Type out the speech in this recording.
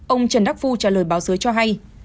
ông trần đắc phu trả lời báo giới cho hay